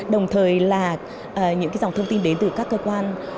đồng thời là những dòng thông tin đến từ các cơ quan